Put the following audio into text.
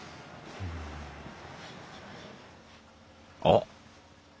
あっ。